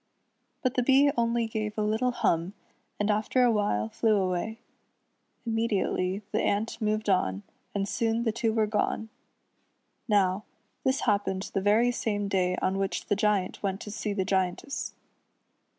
But the Bee only gave a little hum, and after a while flew away. Immediately the ant moved on, and soon the two were gone. Now, this happened the very same day on which the Giant went to see the Giantess.